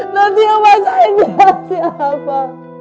nanti lo pasahin dia siapa